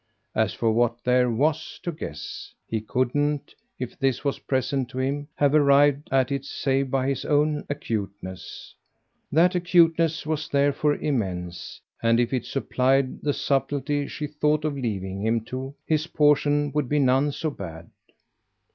As for what there WAS to guess, he couldn't if this was present to him have arrived at it save by his own acuteness. That acuteness was therefore immense; and if it supplied the subtlety she thought of leaving him to, his portion would be none so bad.